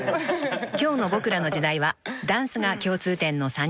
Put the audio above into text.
［今日の『ボクらの時代』はダンスが共通点の３人］